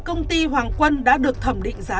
công ty hoàng quân đã được thẩm định giá